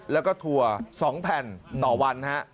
แล้วก็ถั่ว๒แผ่นต่อวันฮะ